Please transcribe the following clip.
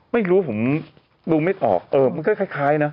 ไม่รู้ผมดูไม่ออกเออมันก็คล้ายนะ